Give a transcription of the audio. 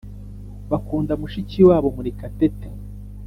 bakunda mushiki wabo Murekatete